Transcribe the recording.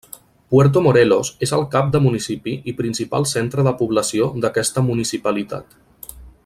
Puerto Morelos és el cap de municipi i principal centre de població d'aquesta municipalitat.